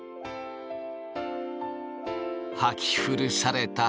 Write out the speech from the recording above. はき古された昴